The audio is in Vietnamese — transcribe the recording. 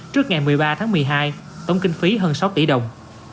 trước ngày một mươi ba tháng một mươi hai tổng kinh phí hơn sáu tỷ đồng